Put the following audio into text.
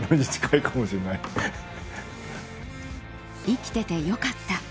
生きてて良かった。